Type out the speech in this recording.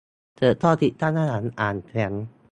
เกิดข้อผิดพลาดระหว่างอ่านแฟ้ม